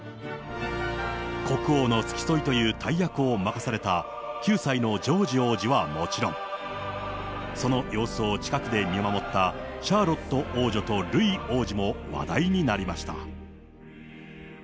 国王の付き添いという大役を任された、９歳のジョージ王子はもちろん、その様子を近くで見守ったシャーロット王女とルイ王子も話題になりました。